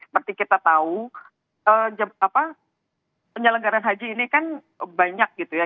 seperti kita tahu penyelenggaran haji ini kan banyak gitu ya